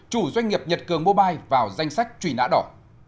chủ doanh nghiệp nhật cường mobile vào danh sách truy nã đỏ